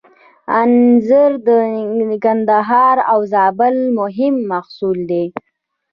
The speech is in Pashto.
انځر د کندهار او زابل مهم محصول دی